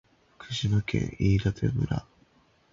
福島県飯舘村